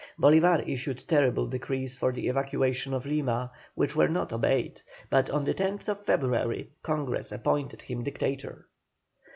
Bolívar issued terrible decrees for the evacuation of Lima, which were not obeyed, but on the 10th February Congress appointed him Dictator.